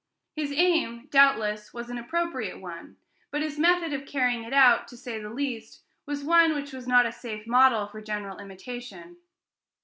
His aim, doubtless, was an appropriate one; but his method of carrying it out, to say the least, was one which was not a safe model for general imitation.